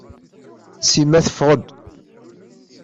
Sima teffeɣ-d.